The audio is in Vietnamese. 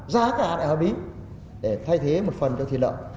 giá cả là hợp ý để thay thế một phần cho thịt lợn